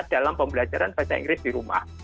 dalam pembelajaran bahasa inggris di rumah